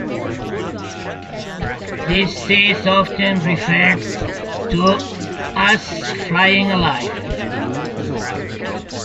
This is often referred to as "flaying alive".